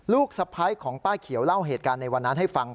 สะพ้ายของป้าเขียวเล่าเหตุการณ์ในวันนั้นให้ฟัง